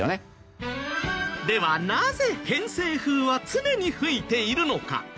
ではなぜ偏西風は常に吹いているのか？